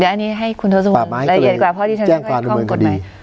เดี๋ยวอันนี้ให้คุณทศวรรษละเอียดกว่าเพราะที่ฉันก็ให้ความกดไหมอืม